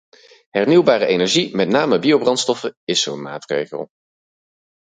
Hernieuwbare energie, met name biobrandstoffen, is zo’n maatregel.